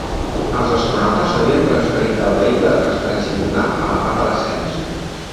Els astronautes s'haurien transferit del vehicle de transferència lunar a l'etapa d'ascens.